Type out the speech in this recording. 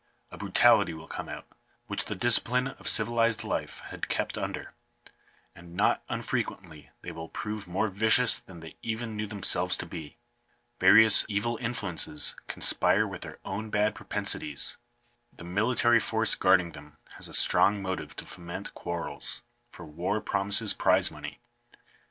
A brutality will come out, which the discipline of civilized life had kept under ; and not unfrequently they will prove more vicious than they even knew themselves to be. Various evil influences conspire with their own bad propensi ties. The military force guarding them has a strong motive to foment quarrels ; for war promises prize money.